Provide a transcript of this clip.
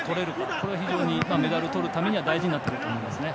これが非常にメダルをとるためには大事になってくると思います。